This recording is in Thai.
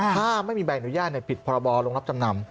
ถ้าไม่มีใบอนุญาตผิดพรบโรงรับจำนำ